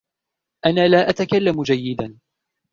انا لا اتكلم جيدا